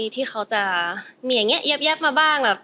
ที่เขาจะมีอย่างนี้แยบมาบ้าง